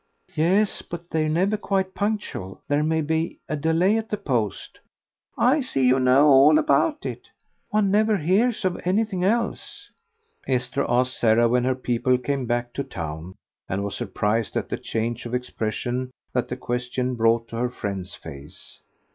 "Yes, but they're never quite punctual; there may be a delay at the post." "I see you know all about it." "One never hears of anything else." Esther asked Sarah when her people came back to town, and was surprised at the change of expression that the question brought to her friend's face.